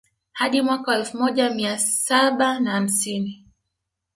Hadi mwaka wa elfu moja mia saba na hamsini